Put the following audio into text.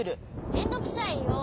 めんどうくさいよ。